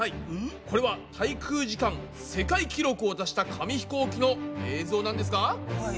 これは滞空時間世界記録を出した紙ひこうきの映像なんですが。